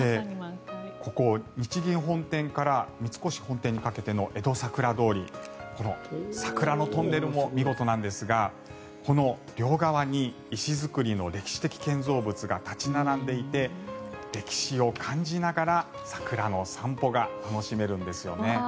ここ、日銀本店から三越本店にかけての江戸桜通りこの桜のトンネルも見事なんですがこの両側に石造りの歴史的建造物が立ち並んでいて歴史を感じながら桜の散歩が楽しめるんですよね。